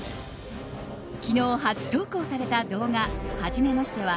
昨日、初投稿された動画「はじめまして。」は